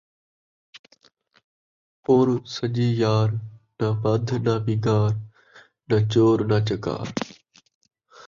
پُݨ سڄی ٻار، ناں وڈھ ناں ونگار، ناں چور ناں چکار